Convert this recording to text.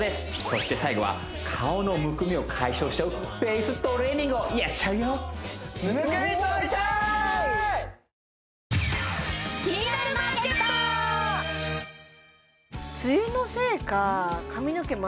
そして最後は顔のむくみを解消しちゃうフェイストレーニングをやっちゃうよむくみ取りたい！